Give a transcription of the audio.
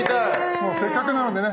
せっかくなのでね